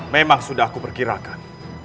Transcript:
memang sudah aku berkirakan